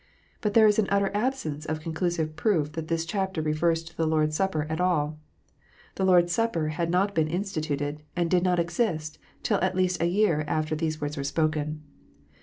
But there is an utter absence of conclusive proof that this chapter refers to the Lord s Supper at all ! The Lord s Supper had not been instituted, and did not exist, till at least a year after these words were spoken.